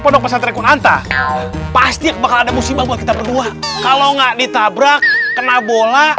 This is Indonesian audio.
podok pesat rekunanta pasti bakal ada musibah buat kita berdua kalau nggak ditabrak kena bola